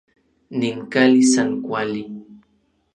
Nin kali san kuali.